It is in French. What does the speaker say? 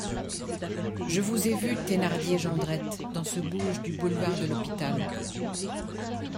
Je vous ai vu, Thénardier Jondrette, dans ce bouge du boulevard de l’Hôpital.